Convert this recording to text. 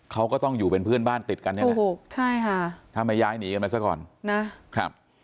เขาก็ต้องอยู่เป็นเพื่อนบ้านติดกันนี่แหละถูกใช่ค่ะถ้าไม่ย้ายหนีกันไปซะก่อนนะครับ